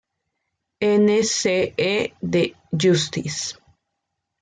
N. C. E. de Justice.